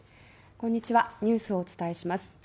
こんにちはニュースをお伝えします。